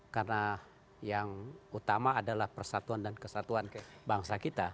karena yang utama adalah persatuan dan kesatuan bangsa kita